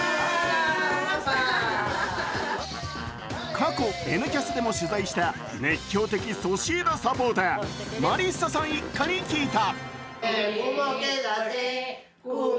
過去「Ｎキャス」でも取材した熱狂的ソシエダサポーター、マリッサさん一家に聞いた。